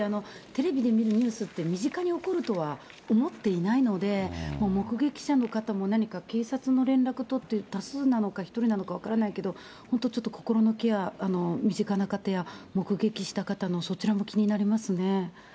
テレビで見るニュースって、身近で起こるとは思っていないので、もう目撃者の方も、何か警察の連絡取って、多数なのか１人なのか分からないけど、本当、ちょっと心のケア、身近な方や、目撃した方の、そちらも気になりますね。